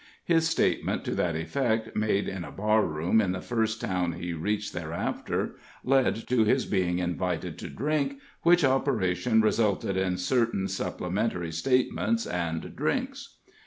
His statement to that effect, made in a bar room in the first town he reached thereafter, led to his being invited to drink, which operation resulted in certain supplementary statements and drinks.